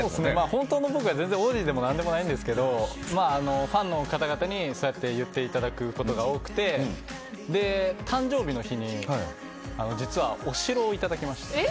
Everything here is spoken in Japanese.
本当のところは全然王子でも何でもないんですけどファンの方々にそうやって言っていただくことが多くて誕生日の日に実はお城をいただきました。